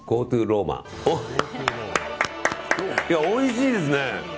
おいしいですね。